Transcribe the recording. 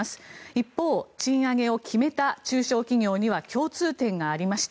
一方賃上げを決めた中小企業には共通点がありました。